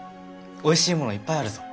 おいしいものいっぱいあるぞ。